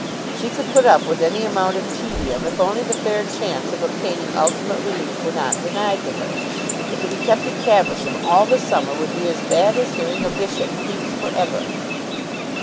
She could put up with any amount of tedium if only the fair chance of obtaining ultimate relief were not denied to her. But to be kept at Caversham all the summer would be as bad as hearing a bishop preach for ever!